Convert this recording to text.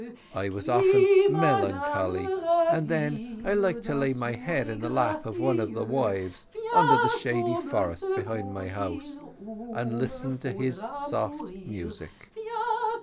I often was melancholy, and then I liked to lay my head in the lap of one of my wives, under the shady forest behind my house, and listen to his soft music.